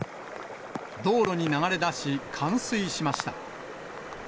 道路に流れ出し、冠水しました。